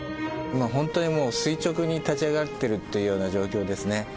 今、本当にもう垂直に立ち上がってるというような状況ですね。